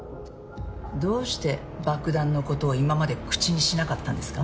どうして爆弾の事を今まで口にしなかったんですか？